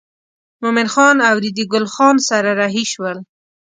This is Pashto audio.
مومن خان او ریډي ګل خان سره رهي شول.